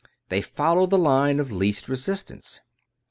They follow the line of least resistance.